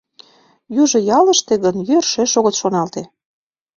Южо ялыште гын йӧршеш огыт шоналте.